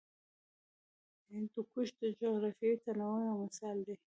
هندوکش د جغرافیوي تنوع یو مثال دی.